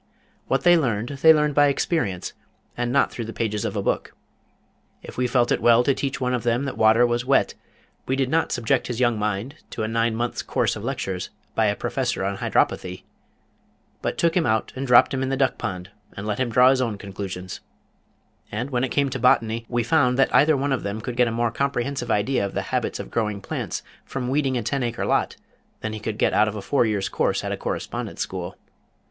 What they learned, they learned by experience, and not through the pages of a book. If we felt it well to teach one of them that water was wet, we did not subject his young mind to a nine months course of lectures by a Professor on Hydropathy, but took him out and dropped him in the duck pond and let him draw his own conclusions; and when it came to Botany, we found that either one of them could get a more comprehensive idea of the habits of growing plants from weeding a ten acre lot than he could get out of a four years' course at a Correspondence School.